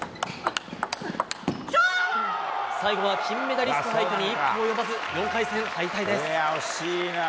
最後は金メダリスト相手に一歩及ばず、４回戦敗退です。